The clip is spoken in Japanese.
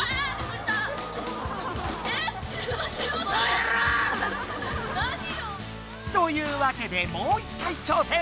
うそやろ！というわけでもう一回挑戦！